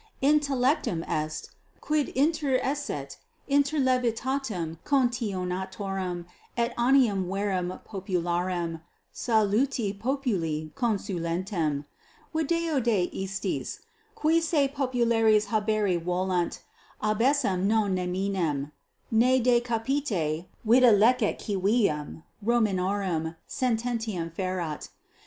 Intellectum est, quid interesset inter levitatem contionatorum et animum vere popularem, saluti populi consulentem. Video de istis, qui se populares haberi volunt, 10 abesse non neminem, ne de capite videlicet civium Romanorum sententiam ferat.